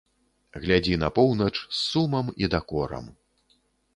Глядзі на поўнач з сумам і дакорам.